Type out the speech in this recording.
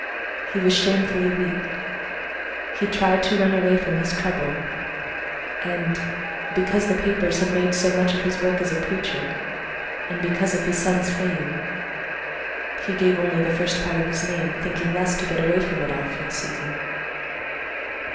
He was shamefully weak. He tried to run away from his trouble, and, because the papers had made so much of his work as a preacher, and because of his son's fame, he gave only the first part of his name, thinking thus to get away from it all for a season.